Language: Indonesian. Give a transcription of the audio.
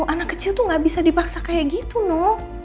anak kecil tuh gak bisa dipaksa kayak gitu no